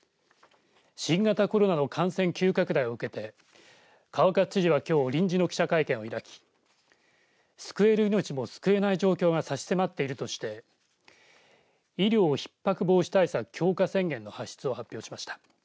新型コロナの感染急拡大を受けて川勝知事はきょう臨時の記者会見を開き救える命も救えない状況が差し迫っているとして医療ひっ迫防止対策強化宣言の発出を発表しました。